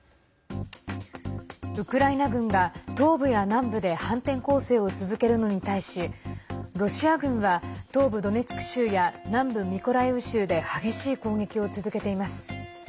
ウクライナ軍が東部や南部で反転攻勢を続けるのに対しロシア軍は東部ドネツク州や南部ミコライウ州で激しい攻撃を続けています。